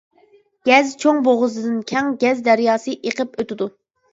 گەز چوڭ بوغۇزىدىن كەڭ گەز دەرياسى ئېقىپ ئۆتىدۇ.